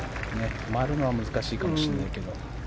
止まるのは難しいかもしれないけど。